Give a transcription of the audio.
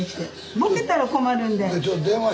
ぼけたら困るんで。